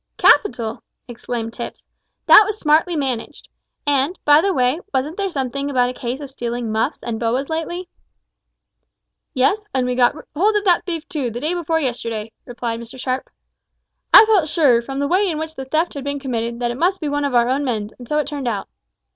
"Capital," exclaimed Tipps, "that was smartly managed. And, by the way, wasn't there something about a case of stealing muffs and boas lately?" "Yes, and we got hold of that thief too, the day before yesterday," replied Mr Sharp. "I felt sure, from the way in which the theft was committed, that it must be one of our own men, and so it turned out.